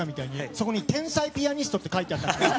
そこに天才ピアニストって書いてあったの。